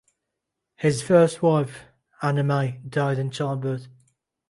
His first wife, Anna May, died in childbirth.